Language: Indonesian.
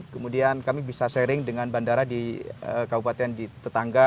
kemudian kami bisa sharing dengan bandara di kabupaten di tetangga